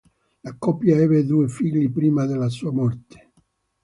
La coppia ebbe due figli prima della sua morte.